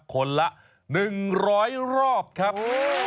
คนละ๑๐๐รอบครับ